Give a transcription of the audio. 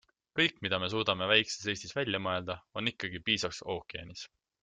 Kõik, mida me suudame väikeses Eestis välja mõelda, on ikkagi piisaks ookeanis.